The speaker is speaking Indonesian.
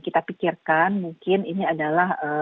kita pikirkan mungkin ini adalah